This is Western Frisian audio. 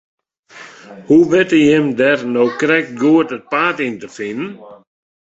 Hoe witte jim dêr no krekt goed it paad yn te finen?